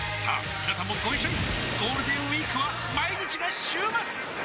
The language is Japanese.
みなさんもご一緒にゴールデンウィークは毎日が週末！